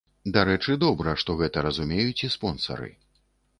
Дарэчы, добра, што гэта разумеюць і спонсары.